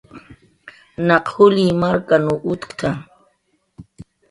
"Naq juli markaw utkt""a"